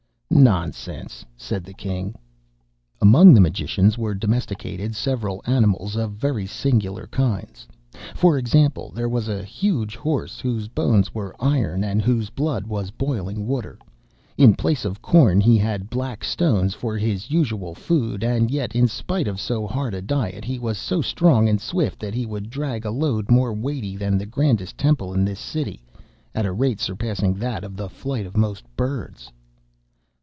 '" "Nonsense!" said the king. "'Among the magicians, were domesticated several animals of very singular kinds; for example, there was a huge horse whose bones were iron and whose blood was boiling water. In place of corn, he had black stones for his usual food; and yet, in spite of so hard a diet, he was so strong and swift that he would drag a load more weighty than the grandest temple in this city, at a rate surpassing that of the flight of most birds.